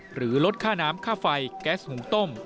หรือลดค่าน้ำค่าไฟแก๊สหูต้ม